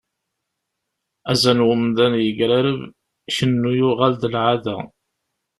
Azal n umdan yegrareb, Kennu yuɣal d lεada.